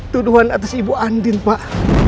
tuduhan atas ibu andin pak